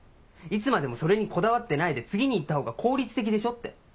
いつまでもそれにこだわってないで次に行ったほうが効率的でしょって！